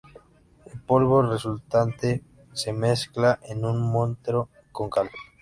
El polvo resultante se mezcla en un mortero con cal.